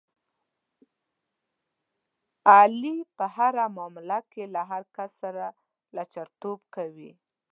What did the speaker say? علي په هره معامله کې له هر کس سره لچرتوب کوي.